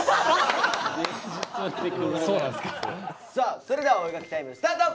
さあそれではお絵描きタイムスタート！